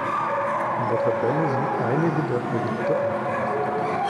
In der Tabelle sind einige der Projekte aufgelistet.